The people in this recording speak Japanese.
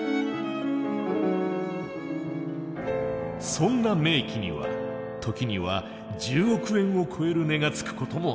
そんな名器には時には１０億円を超える値がつくこともある。